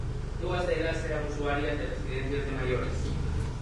Dúas delas eran usuarias de residencias de maiores.